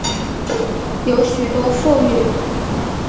有许多妇女